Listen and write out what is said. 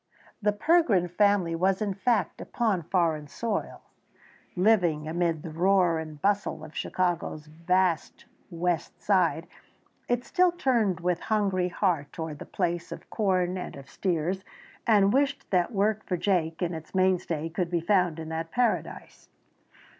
The Pergrin family was in fact upon foreign soil. Living amid the roar and bustle of Chicago's vast west side, it still turned with hungry heart toward the place of corn and of steers, and wished that work for Jake, its mainstay, could be found in that paradise.